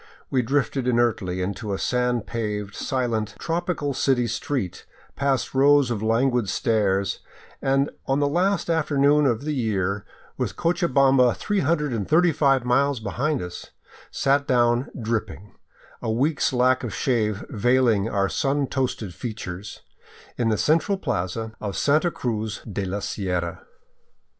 We drifted inertly into a sand paved, silent, tropical city street, past rows of languid stares, and on the last after noon of the year, with Cochabamba 335 miles behind us, sat down dripping, a week's lack of shave veiling our sun toasted features, in the central plaza of Santa Cruz de la Sierra.